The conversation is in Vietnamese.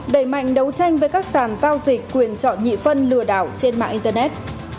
đẩy mạnh đấu tranh với các sàn giao dịch quyền chọn nhị phân lừa đảo trên mạng internet